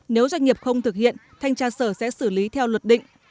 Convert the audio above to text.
nếu doanh nghiệp không thực hiện thanh tra sở sẽ xử lý theo luật định